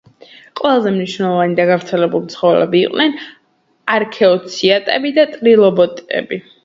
ყველაზე მნიშვნელოვანი და გავრცელებული ცხოველები იყვნენ არქეოციათები და ტრილობიტები.